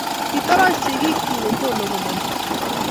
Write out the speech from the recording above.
Kitoroch sigiikchik kotomo komanda